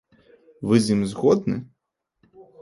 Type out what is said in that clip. Вы з ім згодны?